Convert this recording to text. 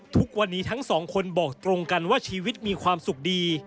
ทุกวันนี้ทั้งสองคนบอกตรงกันว่าชีวิตมีความสุขดี